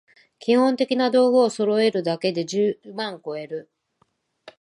基本的な道具をそろえるだけで十万こえる